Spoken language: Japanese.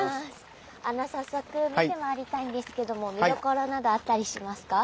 早速見て回りたいんですけども見どころなどあったりしますか？